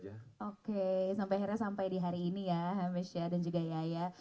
oke akhirnya sampai di hari ini ya hamish ya dan juga yaya